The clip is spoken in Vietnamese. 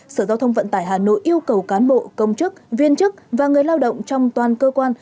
sở giao thông vận tải hà nội yêu cầu cán bộ công chức viên chức và người lao động trong toàn cơ quan